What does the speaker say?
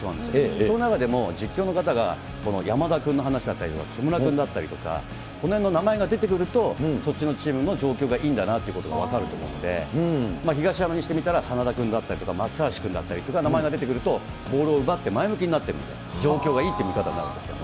その中で実況の方が、山田君の話だったり、きむらくんだったりとか、このへんの名前が出てくると、そっちのチームの状況がいいんだなということが分かると思うので、東山にしてみたら真田君だったり松橋君だったりの名前が出てくると、ボールを奪って前向きになっているんですよ、状況がいいという見方があるんですね。